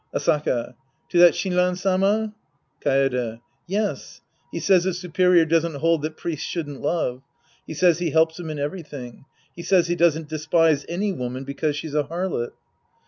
Asaka. To that Shinran Sama ? Kaede. Yes. He says the superior doesn't hold that priests shouldn't love. He says he helps him in everything. He says he doesn't despise any woman because she's a harlot.